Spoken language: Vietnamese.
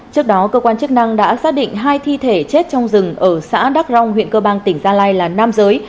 trước đó cơ quan chức năng đã xác định hai thi thể chết trong rừng ở xã đắc rong huyện cơ bang tỉnh gia lai là nam giới